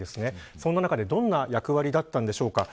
そんな中でどんな役割だったのでしょうか。